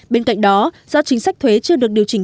bên cạnh đó do chính sách thuế chưa được điều chỉnh